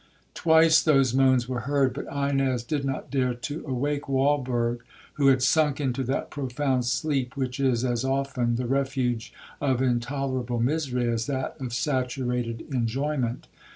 Twice those moans were heard, but Ines did not dare to awake Walberg, who had sunk into that profound sleep which is as often the refuge of intolerable misery, as that of saturated enjoyment.